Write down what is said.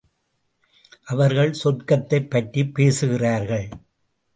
அவர்கள் சொர்க்கத்தைப் பற்றிப் பேசுகிறார்கள்.